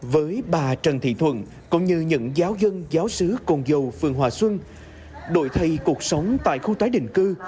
với bà trần thị thuận cũng như những giáo dân giáo sứ cồn dầu phương hòa xuân đội thầy cuộc sống tại khu tái định cư